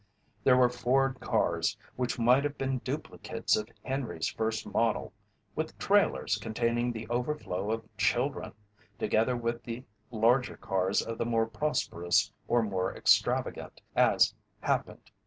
There were Ford cars which might have been duplicates of Henry's first model with trailers containing the overflow of children together with the larger cars of the more prosperous or more extravagant, as happened.